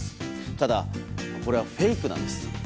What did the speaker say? ただこれはフェイクなんです。